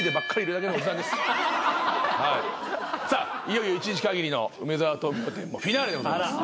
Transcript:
いよいよ１日限りの梅沢富美男展フィナーレでございます。